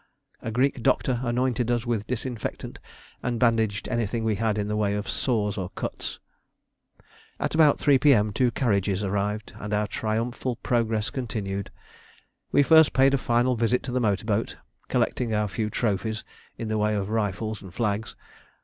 A Greek doctor anointed us with disinfectant and bandaged anything we had in the way of sores or cuts. At about 3 P.M. two carriages arrived and our triumphal progress continued. We first paid a final visit to the motor boat, collecting our few trophies in the way of rifles and flags.